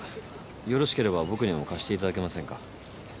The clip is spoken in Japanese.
よろしければ僕にも貸していただけませんか？